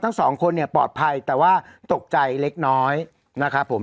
ทั้งสองคนเนี่ยปลอดภัยแต่ว่าตกใจเล็กน้อยนะครับผม